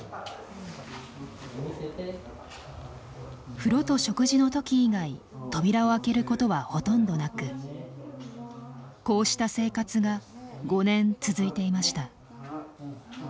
風呂と食事の時以外扉を開けることはほとんどなくこうした生活が５年続いていました。